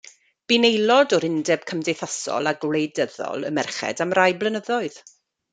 Bu'n aelod o'r Undeb Cymdeithasol a Gwleidyddol y Merched am rai blynyddoedd.